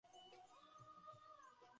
দেখি দরজার বাইরে মাটির উপরে বিমল বসে!